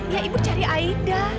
ya ibu cari aida